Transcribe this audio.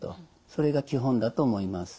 それが基本だと思います。